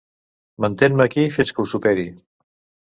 Mantén-me aquí fins que ho superi.